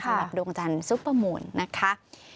สำหรับดวงจันทร์ซุปเปอร์มูลนะครับ